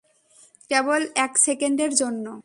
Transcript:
কেবল এক সেকেন্ডের জন্য।